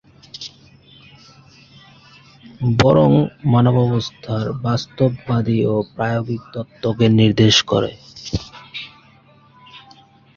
বরং মানব অবস্থার বাস্তববাদী ও প্রায়োগিক তত্ত্বকে নির্দেশ করে।